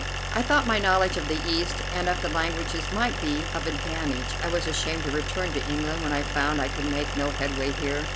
I thought my knowledge of the East and of the languages might be of advantage. I was ashamed to return to England when I found I could make no headway here.